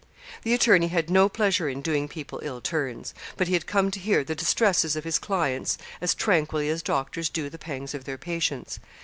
The attorney had no pleasure in doing people ill turns. But he had come to hear the distresses of his clients as tranquilly as doctors do the pangs of their patients.